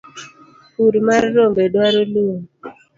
pur mar rombe dwaro lum